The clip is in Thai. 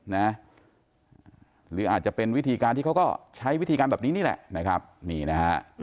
หรืออาจจะเป็นวิธีการที่เขาก็ใช้วิธีการแบบนี้นี่แหละ